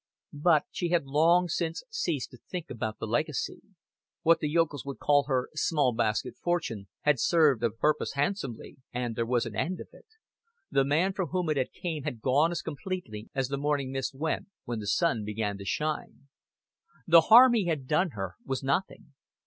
But she had long since ceased to think about the legacy. What the yokels would call her "small basket fortune" had served a purpose handsomely, and there was an end of it. The man from whom it came had gone as completely as the morning mist went when the sun began to shine. The harm he had done her was nothing.